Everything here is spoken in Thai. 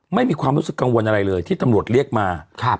ไม่มีความรู้สึกกังวลอะไรเลยที่ตำรวจเรียกมา